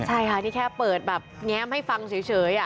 ใช่ค่ะนี่แค่เปิดแบบแง้มให้ฟังเฉย